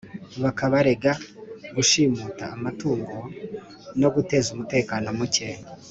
Bakabarega gushimuta amatungo, No guteza umutekano muke !